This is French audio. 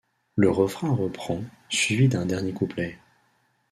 Le refrain reprend, suivi d’un dernier couplet.